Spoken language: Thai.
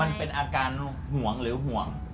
มันเป็นอาการห่วงหรือห่วง